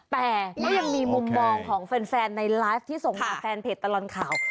แต่ก็ยังมีมุมมองของแฟนในไลฟ์ที่ส่งมาแฟนเพจตลอดข่าว